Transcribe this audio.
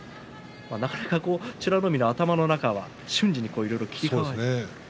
なかなか美ノ海の頭の中は瞬時にいろいろ切り替わるんですね。